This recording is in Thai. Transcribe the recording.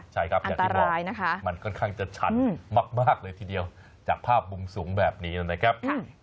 ใช่ครับอย่างที่บอกมันค่อนข้างจะชัดมากเลยทีเดียวจากภาพมุมสูงแบบนี้นะครับ